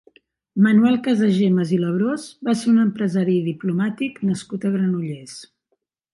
Manuel Casagemas i Labrós va ser un empresari i diplomàtic nascut a Granollers.